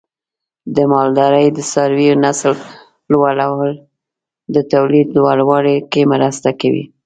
د مالدارۍ د څارویو نسل لوړول د تولید لوړوالي کې مرسته کوي.